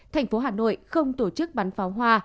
thành phố hà nội không tổ chức bắn pháo hoa